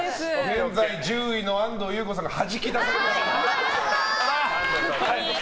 現在１０位の安藤優子さんがはじき出されました。